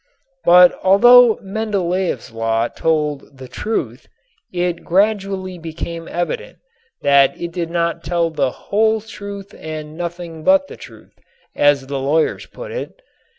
But although Mendeléef's law told "the truth," it gradually became evident that it did not tell "the whole truth and nothing but the truth," as the lawyers put it.